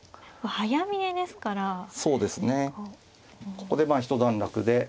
ここでまあ一段落で。